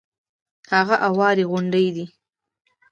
هغه اوارې غونډې دي.